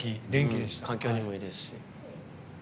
環境にもいいですし。